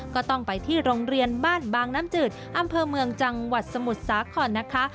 ก็ต้องไปที่โรงเรียนบ้านบางน้ำจืดอำเภอเมืองจังหวัดสมุทรสาครนะคะ